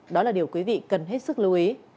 đó là điều quý vị cần hết sức lưu ý